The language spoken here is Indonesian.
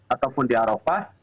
ataupun di arofah